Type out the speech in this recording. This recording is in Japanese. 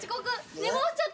寝坊しちゃった。